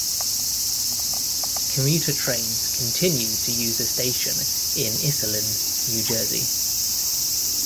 Commuter trains continued to use a station in Iselin, New Jersey.